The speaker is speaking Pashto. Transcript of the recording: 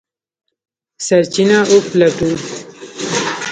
سرچینه وپلټو.